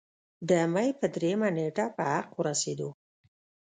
د مۍ پۀ دريمه نېټه پۀ حق اورسېدو